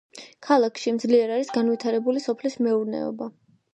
ქალაქში ძლიერ არის განვითარებული სოფლის მეურნეობა.